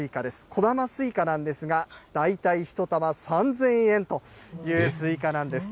小玉スイカなんですが、大体、１玉３０００円というスイカなんです。